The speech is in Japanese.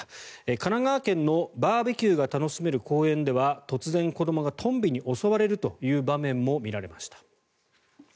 神奈川県のバーベキューが楽しめる公園では突然、子どもがトンビに襲われるという場面も見られました。